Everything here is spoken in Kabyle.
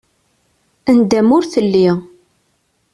Nndama ur telli.